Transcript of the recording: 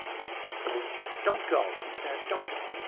'Don't go,' he said. 'Don't go.